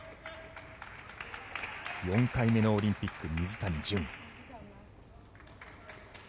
４回目のオリンピック水谷隼。